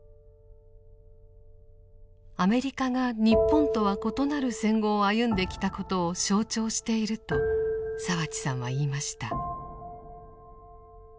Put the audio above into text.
アメリカが日本とは異なる戦後を歩んできたことを象徴していると澤地さんは言いました。